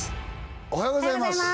おはようございます！